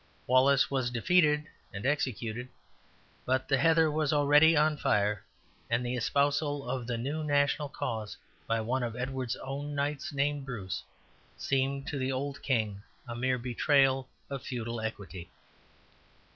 Wallace was defeated and executed; but the heather was already on fire; and the espousal of the new national cause by one of Edward's own knights named Bruce, seemed to the old king a mere betrayal of feudal equity.